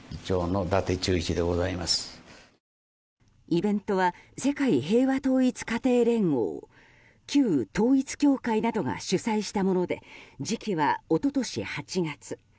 イベントは世界平和統一家庭連合旧統一教会などが主催したもので時期は、一昨年８月。